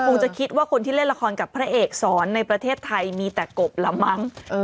คงจะคิดว่าคนที่เล่นละครกับพระเอกสอนในประเทศไทยมีแต่กบละมั้ง